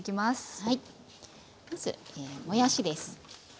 まずもやしです。